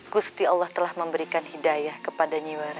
gusti allah telah memberikan hidayah kepada nyiwara dan jaria